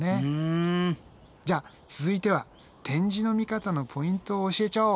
じゃあ続いては展示の見方のポイントを教えちゃおう！